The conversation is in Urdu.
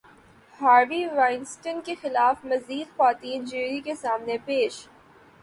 ہاروی وائنسٹن کے خلاف مزید خواتین جیوری کے سامنے پیش